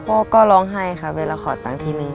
พ่อก็ร้องไห้ค่ะเวลาขอตังค์ทีนึง